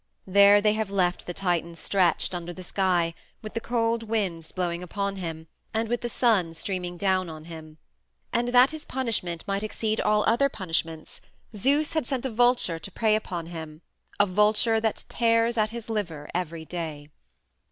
There they have left the Titan stretched, under the sky, with the cold winds blowing upon him, and with the sun streaming down on him. And that his punishment might exceed all other punishments Zeus had sent a vulture to prey upon him a vulture that tears at his liver each day.